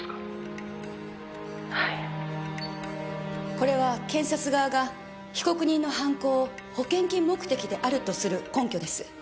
これは検察側が被告人の犯行を保険金目的であるとする根拠です。